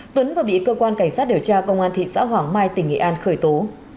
tuấn vừa bị cơ quan cảnh sát điều tra công an thị xã hoàng mai tỉnh nghệ an khởi tố